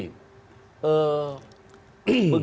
begitu diputus tidak hanya ahmad dhani tapi pak ahok juga